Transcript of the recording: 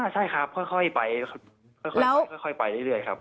ใช่ครับค่อยไปเรื่อยครับ